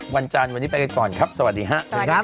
วันจานวันนี้ไปกันก่อนครับสวัสดีฮะ